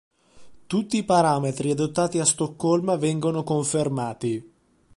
Tutti i parametri adottati a Stoccolma vengono confermati.